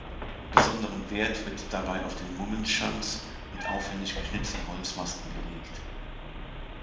Besonderen Wert wird dabei auf den Mummenschanz mit aufwendig geschnitzten Holzmasken gelegt.